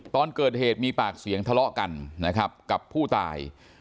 ตอนเกิดเหตุมีปากเสียงทะเลาะกันนะครับกับผู้ตาย